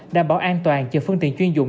đảm bảo an toàn cho phương tiện chuyên dụng